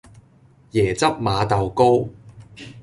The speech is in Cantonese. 椰汁馬豆糕